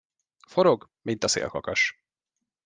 Forog, mint a szélkakas.